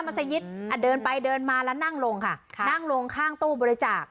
สยิดอ่ะเดินไปเดินมาแล้วนั่งลงค่ะนั่งลงข้างตู้บริจาค